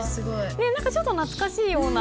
何かちょっと懐かしいような。